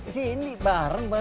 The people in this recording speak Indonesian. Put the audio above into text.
sini bareng pak